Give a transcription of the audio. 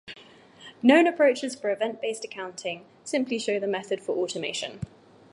Known approaches for event based accounting simply show the method for automation.